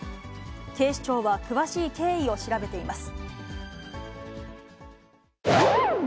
警視庁は詳しい経緯を調べています。